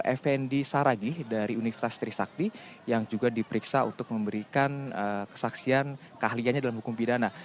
effendi saragih dari universitas trisakti yang juga diperiksa untuk memberikan kesaksian keahliannya dalam hukum pidana